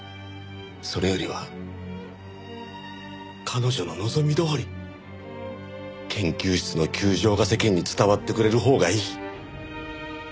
それよりは彼女の望みどおり研究室の窮状が世間に伝わってくれるほうがいい。